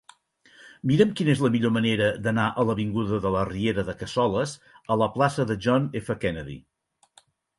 Mira'm quina és la millor manera d'anar de l'avinguda de la Riera de Cassoles a la plaça de John F. Kennedy.